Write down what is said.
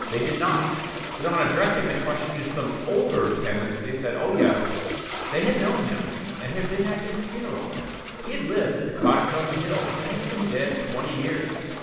They did not; but on addressing the question to some older tenants, they said, "Oh, yes;" they had known him, and had been at his funeral; he had lived at the cottage on the hill, but had been dead twenty years.